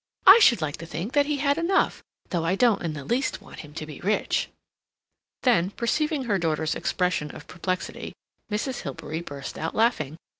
I should like to think that he had enough, though I don't in the least want him to be rich." Then, perceiving her daughter's expression of perplexity, Mrs. Hilbery burst out laughing.